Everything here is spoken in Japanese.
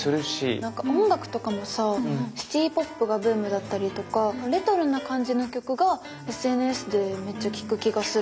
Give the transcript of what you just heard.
なんか音楽とかもさシティーポップがブームだったりとかレトロな感じの曲がＳＮＳでめっちゃ聴く気がする。